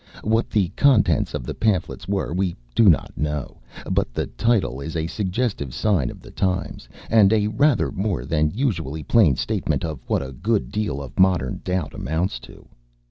What the contents of the pamphlets were we do not know, but the title is a suggestive sign of the times, and a rather more than usually plain statement of what a good deal of modern doubt amounts to.